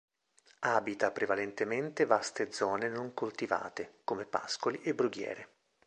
Abita prevalentemente vaste zone non coltivate, come pascoli e brughiere.